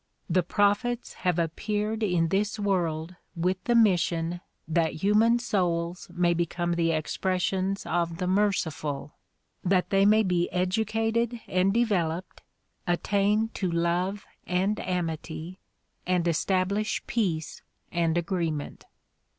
The prophets have appeared in this world with the mission that human souls may become the expressions of the Merciful, that they may be educated and developed, attain to love and amity, and establish peace and agreement.